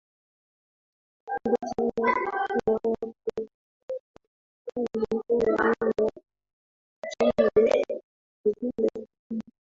bodi ya wakurugenzi wa benki kuu ina wajumbe kumi